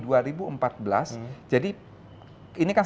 jadi ini kan sekarang ada tujuh ratus pasal